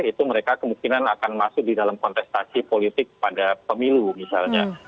itu mereka kemungkinan akan masuk di dalam kontestasi politik pada pemilu misalnya